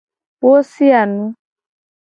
Wo sia nu.